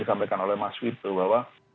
disampaikan oleh mas wito bahwa